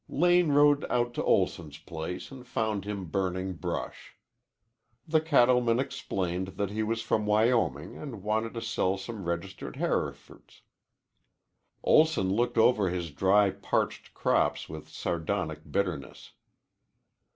Lane rode out to Olson's place and found him burning brush. The cattleman explained that he was from Wyoming and wanted to sell some registered Herefords. Olson looked over his dry, parched crops with sardonic bitterness.